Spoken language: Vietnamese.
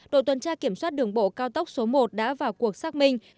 đội tuần tra kiểm soát đường bộ cao tốc số một đã vào cuộc xác minh